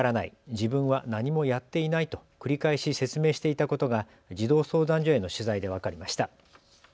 自分は何もやっていないと繰り返し説明していたことが児童相談所への取材で分かりました。